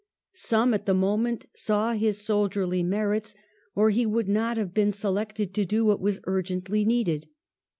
Some, at the moment, saw his soldierly merits, or he would not have been selected to do what was urgently needed.